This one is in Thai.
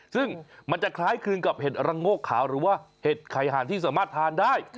ซึ่งมันจะคล้ายคลึงกับเห็ดระโงกขาวหรือว่าเห็ดไข่หานที่สามารถทานได้